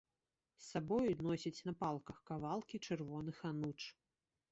З сабою носяць на палках кавалкі чырвоных ануч.